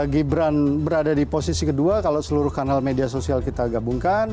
gibran berada di posisi kedua kalau seluruh kanal media sosial kita gabungkan